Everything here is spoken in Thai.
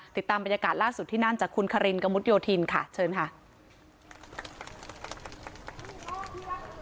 ติดตามบรรยากาศล่าสุดที่นั่นจากคุณคารินกระมุดโยธินค่ะเชิญค่ะ